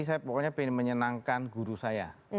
saya pokoknya pengen menyenangkan guru saya